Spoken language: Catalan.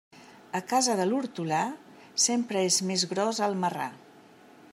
A casa de l'hortolà sempre és més gros el marrà.